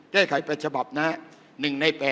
แก้ไขเป็นฉบับหน้า๑ใน๘